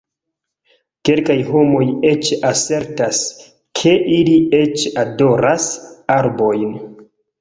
Kelkaj homoj eĉ asertas, ke ili eĉ adoras arbojn.